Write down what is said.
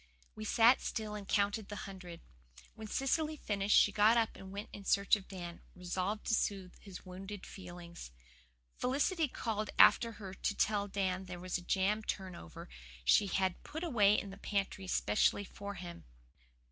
We sat still and counted the hundred. When Cecily finished she got up and went in search of Dan, resolved to soothe his wounded feelings. Felicity called after her to tell Dan there was a jam turnover she had put away in the pantry specially for him.